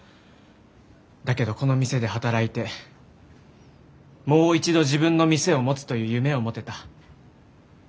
だけどこの店で働いてもう一度自分の店を持つという夢を持てた。